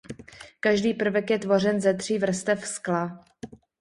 Každý prvek je tvořen ze tří vrstev skla.